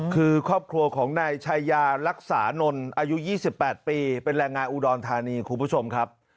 คือครอบครัวของนายชายารักษานนท์อายุ๒๘ปีเป็นแรงงานอุดรธานีคุณผู้ชมครับ